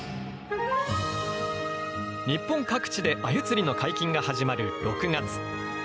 日本各地でアユ釣りの解禁が始まる６月。